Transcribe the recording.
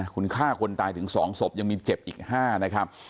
คุณฆ่าคนตายถึง๒ศพยังมีเจ็บอีก๕นะครับ